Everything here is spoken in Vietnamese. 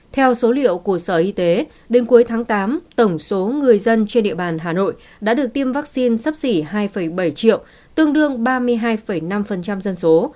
theo số liệu của sở y tế đến cuối tháng tám tổng số người dân trên địa bàn hà nội đã được tiêm vaccine sấp xỉ hai bảy triệu tương đương ba mươi hai năm dân số